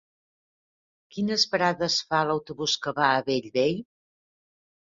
Quines parades fa l'autobús que va a Bellvei?